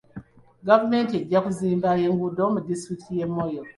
Gavumenti ejja kuzimba enguudo mu disitulikiti y'e Moyo.